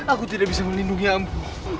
aku tidak bisa melindungi aku